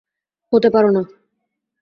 হতে পারো না।